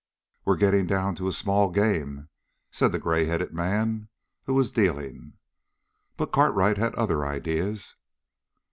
"We're getting down to a small game," said the gray headed man who was dealing. But Cartwright had other ideas.